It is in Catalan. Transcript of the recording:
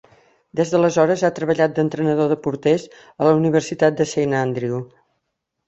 Des d'aleshores ha treballat d'entrenador de porters a la Universitat de Saint Andrew.